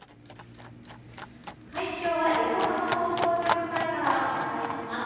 きょうは横浜放送局前からお伝えします。